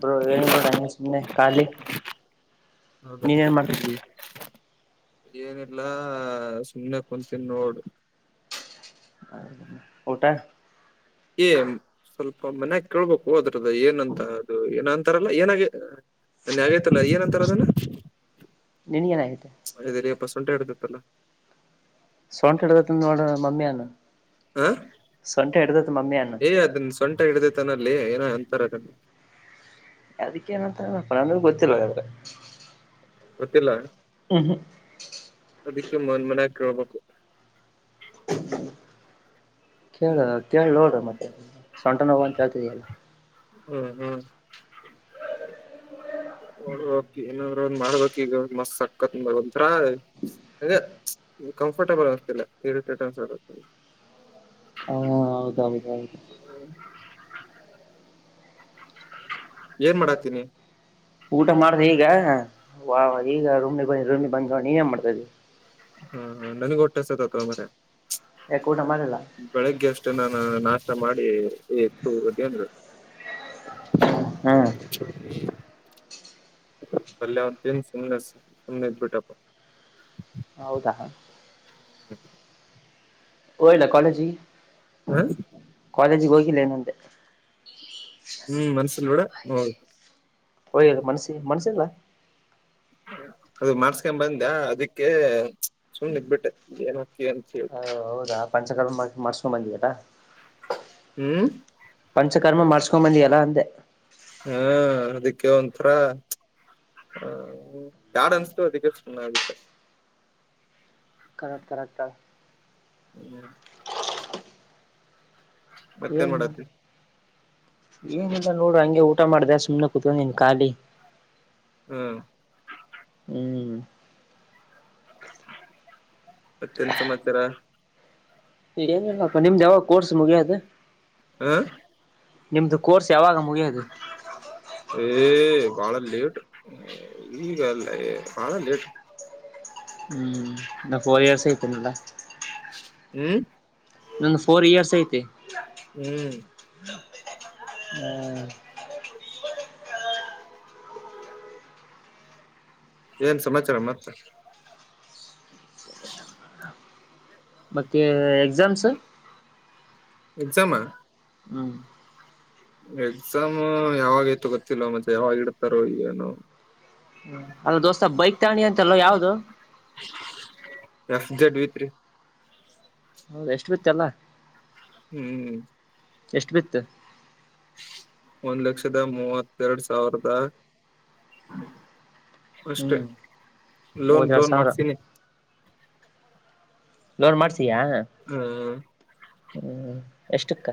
Bro ಏನಿಲ್ಲ ಅಂಗೆ ಅಂಗೆ ಸುಮ್ನೆ ಕಾಲಿ ಹೌದ ಏನಿಲ್ಲ ಸುಮ್ಮ್ನೆ ಕುಂತೀನಿ ನೋಡು ಹೌದ ಏ ಸ್ವಲ್ಪ ಮನ್ ಕೇಳ್ಬೇಕು ಅದ್ರದ್ದ ಏನಂತ ಅದು ಏನ ಅಂತಾರಲ್ಲ ಏನಾಗೆ ನಾವತಲ್ಲ ಏನ್ ಅಂತಾರ ಅದನ್ನ ನೀನ್ ಏನಾಗಿದೆ ಅದೇ ಲೇ ಅಪ್ಪ ಸೊಂಟ ಹಿಡಿದಿತ್ತಲ್ಲ ಸೋಂಟ ಹಿಡತತ ನೋಡ ಮಮ್ಮಿಯ ಅನ ಹ ಏ ಅದನ್ನ ಸೊಂಟ ಹಿಡ್ದತನಲ್ಲಿ ಏನೋ ಎಂತರ ಅದಕ್ಕ ಏನಂತಪ್ಪ ನ ಗೊತ್ತಿಲ್ಲ ಹೇಳ ಗೊತ್ತಿಲ್ಲ ಅದಿಕ್ಕ ಮನ್ ಮನ್ ಕೇಳಬೇಕು ಕೇಳ ಹ್ಮ್ ಕೇಳಿ ನೋಡ್ರಿ ಮತ್ತೆ ಸೊಂಟ ನ ಹೋಗವು ಅಂತ ಕೇಳ್ತಿದಲ್ಲ ಹ್ಮ್ ಹ್ಮ್ ಹೋದ್ರ ಓಕೆ ಇಲ್ಲಾಂದ್ರ ಒಂದ್ ಮಾಡ್ಬೇಕ್ ಈಗ ಒ ಮಸ್ತ್ ಸಕ್ಕತ್ ಮಂತ್ರ. ಅದೇ ಕಂಫರ್ಟಬಲ್ ಆಗತಿಲ್ಲ ಇರಿಟೇಟ್ ಅನ್ಸೋದು. ಹಾ ಹೌದೌದ ಹೌದು ಏನ್ ಮಾಡತಿ ನೀ ಊಟ ಮಾಡದೆ ಈಗ ವಾವ್ ಈಗ ರೂಮ್ನಿಗೆ ಬಂದ್ ರೂಮಿಗೆ ಬಂದ ನೀವೇನ್ ಮಾಡ್ತದಿ. ಹಾ ಹಾ ನನ್ಗ ಹೊಟ್ಟೆಹಸೆಕತೆತ್ಯೋ ಮಾರಯ್ಯ. ಯಾಕೆ ಊಟ ಮಾಡಿಲ್ಲ ಬೆಳಿಗ್ಗೆ ಅಷ್ಟೇ ನಾನ ನಾಷ್ಟ ಮಾಡಿ ಎತ್ತು ಹೋಗೆಂದ್ರ. ಹ್ಮ್ ಅಲ್ಲ ಅವನ ತಿಂದ ಸುಮ್ನೆ ಸುಮ್ಮನೆ ಇದ್ದ ಬಿಟಪ್ಪ. ಹೌದಾ ಹ ಹೋಗಿದ್ಯಾ ಕಾಲೇಜಿ ಹಾ ಕಾಲೇಜಿಗೆ ಹೋಗಿಲ್ಲೇನಂತೆ ಹ್ಮ್ ಮನ್ಸಲ್ ಬಿಡ ಹ ಹೋಯಿ ಮನ್ಸ್ಸಿ ಮನ್ಸಿಲ್ಲಾ. ಅದು ಮಾಡ್ಸ್ಕೊಂಡ ಬಂದ ಅದಕ್ಕೆ ಸುಮ್ನೆ ಇದ್ಬಿಟ್ಟೆ ಏನ ಹಾಕೀ ಅಂತ ಹೇಳಿ ಹ ಹೌದಾ ಪಂಚಕರ್ಮ ಮತ್ ಮಾಡ್ಸ್ಕೊಂಡ ಬಂದೇನ. ಹ್ಮ್ ಪಂಚಕರ್ಮ ಮಾಡ್ಸ್ಕೊಂಬಂದಿಯಲ್ಲ ಅಂದೆ ಹ್ಮ ಅದಿಕ್ಕೆ ಒಂಥರ ಹ ಬ್ಯಾಡ ಅನ್ಸತು ಅದಕ್ಕೆ ಸುಮ್ನ ಆಗ್ಬಿಟ್ಟೆ. ಕರೆಕ್ಟ್ ಕರೆಕ್ಟ್ಏಳ ಹ್ಮ್ ಮತ್ತೇನ್ ಏನ್ ಮಾಡತಿ ಏನಿಲ್ಲ ನೋಡು ಹಂಗೆ ಊಟ ಮಾಡ್ದ ಸುಮ್ನೆ ಕೂತ್ಕೊಂಡಿನೀ ಖಾಲಿ. ಹ್ಮ ಹ್ಮ್ ಮತ್ತೆನ್ ಸಮಾಚಾರ ಈಗ ಏನಿಲ್ಲ ನೋಡಪ್ಪಾ ನಿಮ್ದ ಯಾವಾಗ ಕೋರ್ಸ್ ಮುಗಿಯದು. ಹ ನಿಮ್ದು ಕೋರ್ಸ್ ಯಾವಾಗ ಮುಗಿಯೋದು? ಏ ಬಾಳ ಲೇಟ್ ಈಗ ಅಲ್ಲಲೇ ಬಾಳ ಲೇಟ್. [unintelligible] ಹ್ಮ್ ನಂದು ಫೋರ್ ಇಯರ್ಸ್ ಐತಿ ಹ್ಮ್ ಹ್ಮ ಹ್ಮ ಏನ್ ಸಮಾಚಾರ ಮತ್ತ. ಹ್ಮ ಮತ್ತ ಏನ್ ಎಕ್ಸಾಮ್ಸ್. ಎಕ್ಸಾಮ್ ಹ್ಮ್ ಎಕ್ಸಾಮ್ ಯಾವಾಗ ಐತೋ ಗೊತ್ತಿಲ್ಲ ಮತ್ತೆ ಯಾವಾಗ ಇಡ್ತಾರೋ ಏನೋ. ಹ್ಮ್ ಅಲ್ಲ ದೋಸ್ತ ಬೈಕ್ ತಗೊಂಡೆಅಂತಲೋ ಯಾವ್ದದು? ಎಕ್ಷ ಜಡ್ ವಿ ತ್ರಿ ಹೌದ ಎಷ್ಟು ಬಿತ್ತ ಏಲ್ಲಾ. ಹ್ಮ್ ಎಷ್ಟು ಬಿತ್ತು ಒಂದ್ ಲಕ್ಷದ ಮೂವತ್ತೆರಡು ಸಾವಿರದ ಅಷ್ಟೆ ಹ್ಮ್ ಲೋನ್ ಮೂವತ್ತೆರಡು ಲೋನ್ ಸಾವಿರ ಮಾಡ್ಸಿನಿ. ಲೋನ್ ಹ ಮಾಡ್ಸಿಯ ಹ್ಮ್ ಎಷ್ಟಕ್ಕ.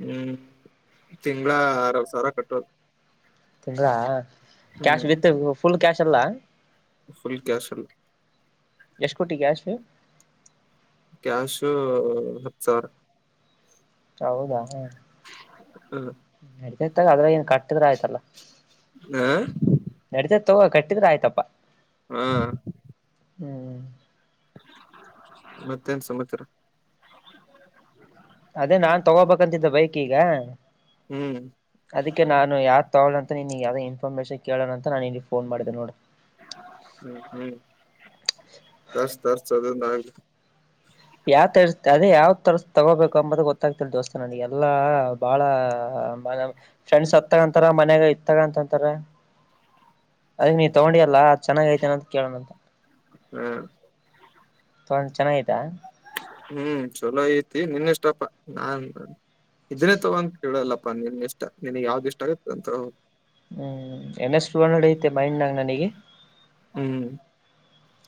ಹ್ಮ್ ತಿಂಗಳ ಆರ ಏಳ ಸಾವರ ಕಟ್ಟೋದು. ತಿಂಗಳಾ ಕ್ಯಾಶ್ ವಿತ್ ಹ್ಮ್ ಫುಲ್ ಕ್ಯಾಶ್ ಎಲ್ಲ ಫುಲ್ ಕ್ಯಾಶ್ ಇರುತ್ತ ಎಷ್ಟ ಕೊಟ್ಟಿ ಕ್ಯಾಷ್ ಕ್ಯಾಶ್ ಹತ್ತು ಸಾವಿರ. ಹ್ಮ ನಡ್ತೈತಾಗ ಅದ್ರ ಏನ್ ಕಟ್ಟಿದ್ರ ಆಯ್ತಲ್ಲ ನಡತ ತಗ ಕಟ್ಟಿದ್ರೆ ಆಯ್ತಪ್ಪ ಹಾ ಹ್ಮ್ ಮತ್ತೇನ್ ಸಮಾಚಾರ ಅದೇ ನಾನ್ ತಗೋಬೇಕಂತಿದ್ದ ಬೈಕ್ ಈಗ ಹ್ಮ್ ಅದಕ್ಕೆ ನಾನು ಯಾರ್ದ ತಗೋ ಅಂತ ನಿನ್ಗ ಯಾವ್ದೋ ಇನ್ಫಾರಮೇಶನ್ ಕೇಳೋಣ ಅಂತ ನಾನ ಇಲ್ಲಿ ಫೋನ್ ಮಾಡಿದೆ ನೋಡ ಹ್ಮ ಹ್ಮ್ ತರ್ಸಿ ತರ್ಸಿ ಅದೊಂದು ಅಗಲಿ ಯಾವ ತರ್ ಅದೇ ಯಾವ್ ತರ ತಗೋಬೇಕು ಅಂಬದು ಗೊತ್ತಾಗ್ತಿರ್ ದೋಸ್ತ ನನಗೆಲ್ಲಾ ಎಲ್ಲ ಬಹಳ ಫ್ರೆಂಡ್ಸ್ ಹೊತ್ತ ತಗಂತಾರ ಮನ್ಯಾಗ ಇ ತಗಂತಂತಾರ ಅದ ನೀವ ತಗೊಂಡಿ ಅಲ್ಲ ಚೇಂಜ್ ಐತೆೇನೆ ಅಂತ ಕೇಳೋಣಂತ ಹ್ಮ್ ತೊನಾಡಿದ ಚೆನ್ನಾಗತ ಹ್ಮ್ ಚಲೋ ಐತಿ ನಿನ್ ಎಷ್ಟಪ್ಪ ನಾನ್ ಇದನ್ನೇ ತಗೊ ಇಡಲ್ಲಪ್ಪ ನಿನ್ ಇಷ್ಟ ನನ್ಗ್ ಯಾವ್ದ್ ಇಷ್ಟ ಆಗುತ್ತೆ ಅಂತ ಹು ಎನ್ ಎಸ್ ಟುಹಂಡ್ರೆಡ್ ಮೆಯ್ಡ್ಣ್ಯಾಗ ನನಿಗೆ. ಹು.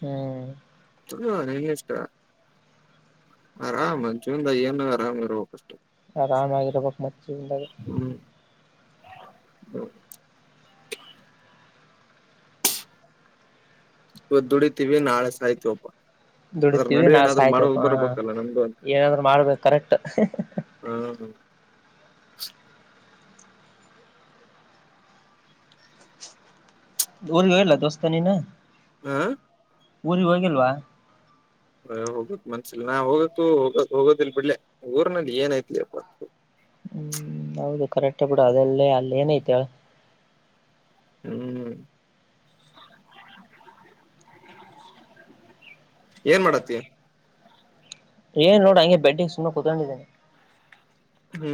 ಹು ಚೊಲೋ ರೈನೆಸ್ಕ್ರಾ. ಆರಾಮ್ ಜೀವನದಾಗ ಹೆಂಗರ ಆರಾಮ್ ಇರಬೇಕು ಅಷ್ಟೇ. ಆರಾಮಾಗಿರ್ಬೇಕ್ ಮತ್ತ ಜೀವನದಾಗ. ಹ್ಮ್ ಇವತ್ತ ದುಡಿತಿವಿ ನಾಳೆ ಸಾಯತ್ತೇವಪ್ಪಾ. ದುಡಿತೀವಿ ನಾ ಸಾಯ್ತವಪ್ಪ ನಮ್ದು ಏನಾದ್ರರು ಮಾಡ್ಬೇಕು ಕರೆಕ್ಟ್ ಹ್ಹಹ್ಹಹ್ಹ. ಹ ಅ. ಊರಿಗೆ ಹೋಗಿಲ್ಲ ದೋಸ್ತನಿನ ಹಾ ಊರಿಗೆ ಹೋಗಿಲ್ವಾ. ಎ ಹೋಗಕ್ ಮನ್ಸಿಲ್ಲ ನಾ ಹೋಗತ್ತು ಹೋಗ ಹೋಗೋದಿಲ್ ಬಿಡ್ಲೆ ಊರ್ನಲ್ಲಿ ಏನೈತಿ ಲೆಪಾ ಹು ಹೌದು ಕರೆಕ್ಟ್ ಬಿಡು ಅದೆಲ್ಲೇ ಅಲ್ಲಿ ಏನ ಐತೆ ಹೇಳ್. ಹು ಏನ್ ಮಾಡತ್ತಿ. ಏನ್ ನೋಡ ಹಂಗೆ ಬಿಟ್ಟಿಗೆ ಸುಮ್ಮನ ಕೂತಕೊಂಡೇನಿ. ಹು.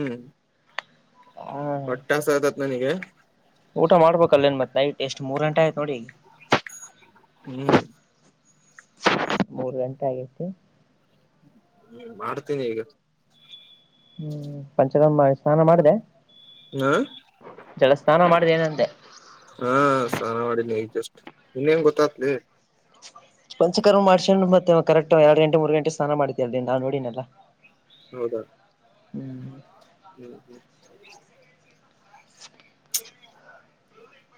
ಹಾ ಹೊಟ್ಟ ಸತೇತಿ ನನಗೆ ಊಟ ಮಾಡ್ಬೇಕಲ್ಲ ಏನ್ ಮತ್ತ ನೈಟ್ ಎಷ್ಟು ಮೂರು ಗಂಟೆ ಆಯ್ತು ನೋಡಿಇಗ ಹು. ಮೂರ್ ಗಂಟೆ ಆಗೈತಿ ಮಾಡತೇನಿ ಇಗ. ಹು ಪಂಚರಾಮ ಇಗ ಸ್ನಾನ ಮಾಡಿದ್ಯಾ ಹಾ ಜಲಸ್ನಾನ ಮಾಡ್ದ ಏನಂದ್ಯ ಹಾ ಸ್ನಾನ ಮಾಡಿದೆ ಇಗ ಜಸ್ಟ್ ನಿಂಗ ಹೆಂಗ್ ಗೊತ್ತಾತಲೆ. ಪಂಚಕರ್ಮ ಮಾಡ್ಸಕೊಂಡ ಮತ್ತೆ ಕರೆಕ್ಟ್ ಎರಡು ಗಂಟೆ ಮೂರು ಗಂಟೆ ಸ್ನಾನಾ ಮಾಡ್ತತಿಯಲ್ಲೇ ನಾ ನೋಡಿನಲ್ಲ. ಹೌದಾ. ಹ್ಮ್ ಹು ಹು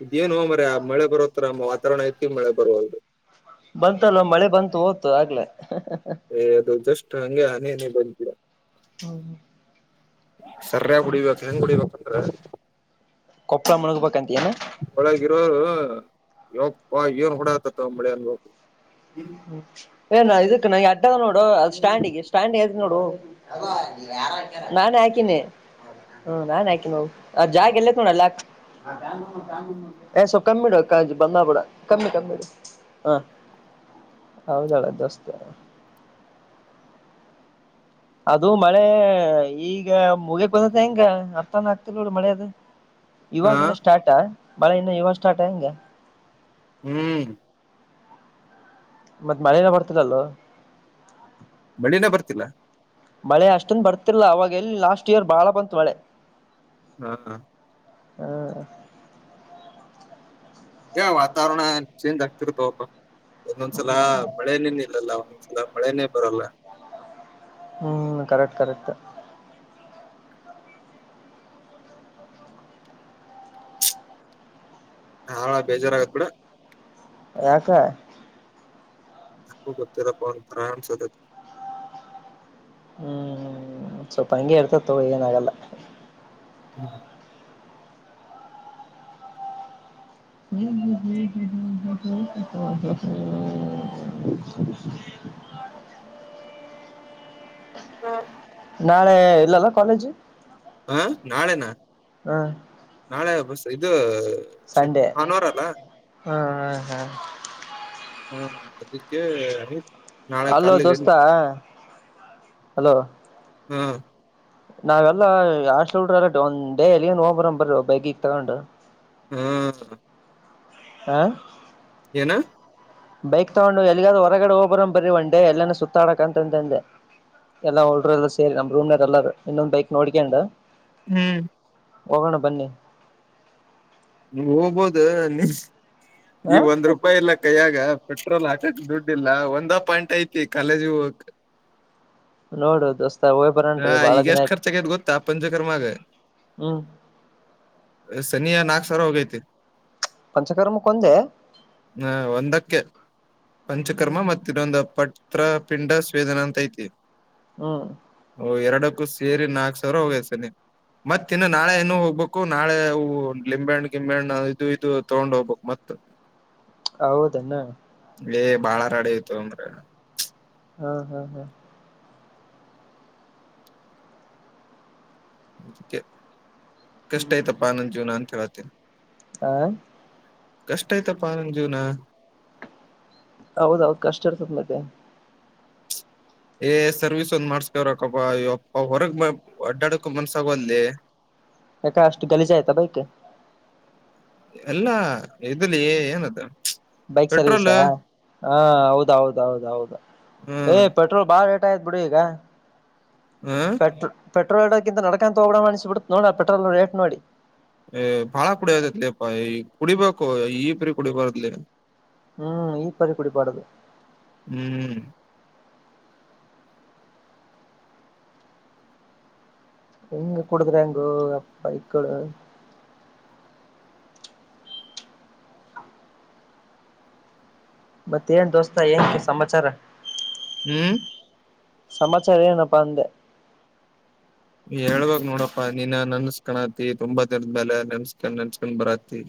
ಇದೇಏನು ಮಾರಾಯ ಮಳೆ ಬರೋತರಾ ವಾತಾವರಣ ಐತಿ ಮಳ ಬರ್ವಲ್ಲದು. ಬಂತಲ್ಲೊ ಮಳೆ ಬಂತು ಹೋತು ಆಗ್ಲೇ. ಏ ಅದು ಜಸ್ಟ್ ಹಂಗೆ ಹನಿ ಹನಿ ಬಂತ ಸರಿಯಾಗಿ ಹೊಡಿಬೇಕು ಹೆಂಗ ಹೊಡಿಬೇಕು ಅಂದ್ರ ಕೊಪ್ಪಳ ಮುಳಗಬೇಕು ಅತಿಯನು. ಒಳಗಯಿರೋರು ಯಪ್ಪಾ ಏನ್ ಹೂಡ್ಯಾಕತ್ತೇತೋ ಮಳೆ ಅನಬೆಕು. ಎ ನಾ ಇದಕ್ಕೆ ನ ಎಟ್ಟದ ನೋಡು ಸ್ಟ್ಯಾಂಡ್ಗೆ ಸ್ಟ್ಯಾಂಡ್ದ ನೋಡು. ತಮ್ಮಾ ಇಲ್ಲಿ ಯಾರ್ ಹಾಕ್ಯರ್ ನಾನು ಹಾಕಿನೆ ಹೌದನ ಹು ನಾನು ಹಾಕಿನ ಹೋಗ್. ಅದ್ ಜಾಗ ಎಲ್ಲ ಐತ ನೋಡ ಅಲ್ಲ ಹಾಕ್ ಆ ಪ್ಯಾನ್ ನೋಡ್ ಎ ಸ್ವ ಕಮ್ಮಿಡ ಬಂದವಬಿಡ. ಕಮ್ಮಿ ಕಮ್ಮಿ ಇಡ ಹ ಹೌದಲ ಜಾಸ್ತಿ ಅದು ಮಳೆ ಈಗ ಮುಗಿಬಿದಿದ್ದು ಹೆಂಗ ಅರ್ಥಾನ ಆಗ್ತಿಲ್ ನೋಡು ಮಳೆ ಅದು. ಹಾ ಇವಾಗ ಇನ್ನ ಸ್ಟಾರ್ಟಾ ಮಳೆ ಇನ್ನ ಇವಾಗ ಸ್ಟಾರ್ಟಾ ಹಂಗೆ ಹು ಮತ್ತ ಮಳೆನ ಬರ್ತದಲ್ಲೊ. ಮಳಿನ ಬರ್ತಿಲ್ಲಾ ಮಳೆ ಅಷ್ಟನ ಬರ್ತಿಲ್ಲ ಅವಾಗ ಎಲ್ಲಿ ಲಾಸ್ಟ್ ಇಯರ್ ಬಾಳ ಬಂತು ಮಳೆ. ಹಾ ಆ. ಹ. ಏ ವಾತಾವರಣ ಚೇಂಜ್ ಆಗ್ತಿರ್ ತಗೋಪ ಒಂದೊಂದ್ಸಲ ಮಳೆನೇ ನಿಲ್ಲಲ್ಲ ಒನ್ನೊಂದ್ ಲ ಮಳೆನೇ ಬರಲ್ಲ. ಹ್ಮ್ ಕರೆಕ್ಟ್ ಕರೆಕ್ಟ್. ಹಾಳ ಬೇಜಾರ ಆಗತ್ ಬಿಡು. ಯಾಕ ಗು ಗೊತ್ತಿಲ್ಲಪ್ಪ ಒಂಥರಾ ಅನ್ಸತತಿ. ಹ್ಮ್ ಒಂದ್ ಸ್ವಲ್ಪ ಹಂಗೆ ಇರ್ತತ್ತಗೋ ಏನ್ ಆಗಲ್ಲ. ಹ್ಮ್ ಹ್ಮ್ ಹ್ಮ್ ಹ್ಮ್ ಹ್ಮ್ ಹ್ಮ್ ಹ್ಮ್ ಹ್ಮ್ ನಾಳೆ ಇಲ್ಲಲ್ಲ ಕಾಲೇಜ್ ಹಾ ನಾಳೆನಾ ಹಾ ನಾಳೆ ಬಸ್ ಇದು ಸರಿ ಸಂಡೇ ಭಾನುವಾರ ಅಲ ಹಾ ಹಾ ಹ ಹಾ ಅದಕ್ಕೆ ಆಯ್ ಅಲ್ಲೋ ದೋಸ್ತಾ ಹಲೋ ಹ್ಮ್ ನಾವೆಲ್ಲ ಯ ಹಾಷ್ಟಲ್ ಹುಡುರೆಲ್ಲ ಒನ್ ಡೇ ಎಲ್ಲಿಗಾನ ಹೋಗ್ಬರಮ ಬರ್ರೀ ಬ್ಯಾಗ್ ಗೀಗ್ ತಗೊಂಡು. ಹ್ಮ್ ಹಾ ಏನು ಬೈಕ್ ತಗೊಂಡು ಎಲ್ಲಿಗಾರು ಹೊರಗಡೆ ಹೋಗ್ ಬರಮ್ ಬರ್ರಿ ಒಂಡೆ ಎಲ್ಲನು ಸುತ್ತಾಡಕ್ ಅಂತಂತಂದೆ. ಎಲ್ಲಾ ಹುಡುಗ್ರೆಲ್ಲ ಸೇರಿ ನಮ್ ರೂಮ್ನ್ಯಾಗ್ ಎಲ್ಲಾರು ಇನ್ನೊಂದ್ ಬೈಕ್ ನೋಡ್ಕ್ಯಂಡು ಹ್ಮ್ ಹೋಗೋಣ ಬನ್ನಿ. ಹೋಗ್ಬೋದು ನೀ ಈ ಹ ಒಂದ್ ರೂಪಾಯಿ ಇಲ್ಲ ಕೈಯಾಗ. ಪೆಟ್ರೋಲ್ ಹಾಕಕ್ ದುಡ್ ಇಲ್ಲ ಒಂದ ಪಾಯಿಂಟ್ ಐತಿ ಕಾಲೇಜಿಗೆ ಹೋಗಕ್ ನೋಡು ದೋಸ್ತ ಹೋಗ್ ಹಾ ಬರನ್ರಿ ಬಾಳ ದಿನ ಈಗೆಷ್ಟ್ ಆಯ್ತು ಖರ್ಚಾಗೈತ್ ಗೊತ್ತ ಪಂಚಕರ್ಮಾಗ ಹ್ಮ್ ಸನ್ನಿಯ ನಾಕ್ ಸಾವ್ರ ಹೋಗೈತಿ. ಪಂಚಕರ್ಮ ಕೊಂದೆ ಹಾ ಒಂದಕ್ಕೆ ಪಂಚಕರ್ಮ ಮತ್ತ ಇನ್ನೊಂದ ಪತ್ರ ಪಿಂಡ ಸ್ವೇದನಾ ಅಂತ ಐತಿ. ಹ್ಮ್ ಓ ಎರಡಕ್ಕೂ ಸೇರಿ ನಾಕ್ ಸಾವಿರ ಹೋಗೈತ್ ಸನ್ನಿ ಮತ್ತಿನ್ನು ನಾಳೆ ಇನ್ನು ಹೋಗ್ಬೇಕು. ನಾಳೆ ಆ ಹು ಲಿಂಬೆಣ್ಣ ಗಿಂಬೆಹಣ್ಣ ಇದು ಇದು ತಗೊಂಡ್ ಹೋಗ್ಬಕ್ ಮತ್ ಹೌದೆನ್ನ ಏಯ್ ಬಾಳ ರಾಡಿ ಐತೋ ಮಾರಾಯ. ಹಾ ಹ ಹ ಅದಿಕ್ಕೆ ಕಷ್ಟ ಐತಪ್ಪ ನನ್ ಜೀವನ ಅಂತ್ ಹೇಳತ್ತೀನ್. ಹ ಕಷ್ಟ ಐತಪ್ಪ ನನ್ ಜೀವ್ನ. ಹೌದೌದ್ ಕಷ್ಟ ಇರ್ತತ್ ಮತ್ತೆ. ಏ ಸರ್ವಿಸ್ ಒಂದ್ ಮಾಡ್ಸ್ಕ ಬರಕಪ್ಪ ಯಪ್ಪ ಹೊರಗ್ ಬ ಅಡ್ಡಾಡಕು ಮನ್ಸಾಗುವಲ್ಲೆ. ಯಾಕ ಅಷ್ಟು ಗಲಜಾಯ್ತಾ ಬೈಕ್. ಎಲ್ಲಾ ಇದ್ರಲ್ಲಿ ಏನದು ಬೈಕ್ ಪೆಟ್ರೋಲ್ ಸರ್ವಿಸಾ ಹಾ ಹೌದ ಹೌದ ಹೌದ ಹೌದು ಏ ಹ್ಮ್ ಪೆಟ್ರೋಲ್ ಬಾಳ ರೇಟ್ ಆಯತ್ು ಬಿಡಿ ಈಗ ಹ ಪೆಟ್ರೋಲ್ ಪೆ್ರೋಲ್ಡಕಂತ ನಡಕಂತ ಹೋಗಿ ಬಿಡಣ ಅಂತ ಅನ್ಸಿಬಿಡ್ತು ಪೆಟ್ರೋಲ್ ರೇಟ್ ನೋಡಿ ಬಾಳ ಕುಡಿದೇತ್ಲಿಪ್ಪಾ ಈ ಕುಡಿಬೇಕು ಈ ಪಾರಿ ಕುಡಿಬಾರ್ದು ಹೂ ಈ ಪರಿ ಕುಡಿಬಾರ್ದು ಹೂ ಹೆಂಗ ಕುಡುಕರಾಂಗೋ ಬೈಕಳ ಮತ್ತ ಏನ್ ದೋಸ್ತ ಏನ್ ಸಮಾಚಾರ ಹೂ ಸಮಾಚಾರ ಏನಪ್ಪಾ ಅಂದೆ ಹೇಳ್ಬಕ್ ನೋಡಪ್ಪಾ ನೀನ್ ನನ್ಸ್ಕಣತಿ ತುಂಬಾ ತಿರ್ದ ಮೇಲೆ ನೆನ್ಸ್ಕಂಡ್ ನನ್ಸ್ಕಂಡ್ ಬರಾತಿ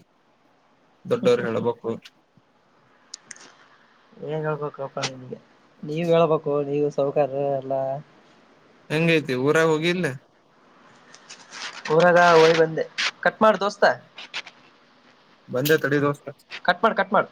ದೊಡ್ಡವರು ಹೇಳೇಳ್ಬೇಕು ಏನ್ ಹೇಳ್ಬೇಕು ಅಪ್ಪ ನಿಮಗೆ ನೀವ ಹೇಳ್ಬೇಕು ನೀವು ಸೌಕರ್ಯ ಎಲ್ಲಾ ಹೆಂಗ ತಿ ಊರಾಗ ಹೋಗಿಲ್ಲ ಊರಾಗ ಹೋಗಿ ಬಂದೆ ಕಟ್ ಮಾಡ ದೋಸ್ತ ಬಂದೇ ತಡಿರೋ ದೋಸ್ತ ಕಟ್ ಮಾಡ್ ಕಟ್ ಮಾಡ್